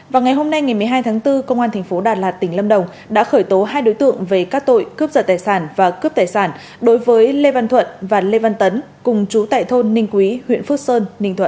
vào ngày hôm nay ngày một mươi hai tháng bốn công an thành phố đà lạt tỉnh lâm đồng đã khởi tố hai đối tượng về các tội cướp giật tài sản và cướp tài sản đối với lê văn thuận và lê văn tấn cùng chú tại thôn ninh quý huyện phước sơn